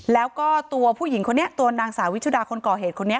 แล้วก็ตัวผู้หญิงคนนี้ตัวนางสาววิชุดาคนก่อเหตุคนนี้